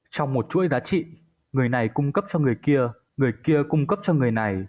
trong một chuỗi giá trị người này cung cấp cho người kia người kia cung cấp cho người này